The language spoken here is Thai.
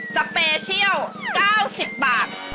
สเปเชียล๙๐บาท